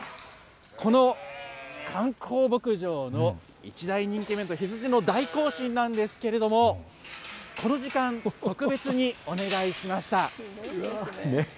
この観光牧場の、一大人気イベント、羊の大行進なんですけれども、この時間、特別にお願いしました。